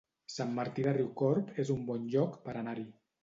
Sant Martí de Riucorb es un bon lloc per anar-hi